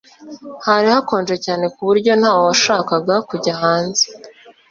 Hari hakonje cyane kuburyo ntawashakaga kujya hanze